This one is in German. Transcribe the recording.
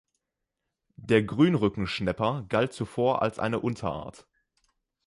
Der Grünrückenschnäpper galt zuvor als eine Unterart.